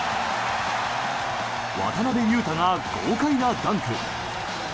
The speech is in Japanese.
渡邊雄太が豪快なダンク。